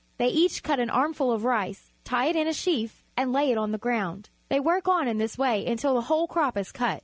They each cut an armful of rice, tie it in a sheaf, and lay it on the ground. They work on in this way until the whole crop is cut.